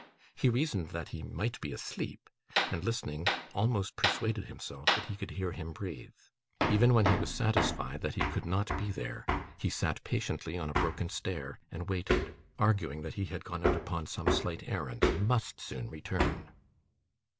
He reasoned that he might be asleep; and, listening, almost persuaded himself that he could hear him breathe. Even when he was satisfied that he could not be there, he sat patiently on a broken stair and waited; arguing, that he had gone out upon some slight errand, and must soon return.